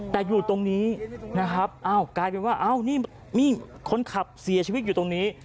แต่อยู่ตรงนี้นะครับอ้าวกลายเป็นว่าอ้าวนี่มีคนขับเสียชีวิตอยู่ตรงนี้